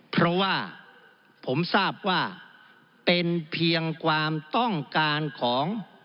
เพราะว่าผมทราบว่าเป็นเพียงความต้องการของ